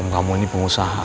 om kamu ini pengusaha